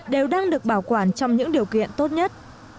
đều đang được bảo quản trong những điều kiện tốt nhất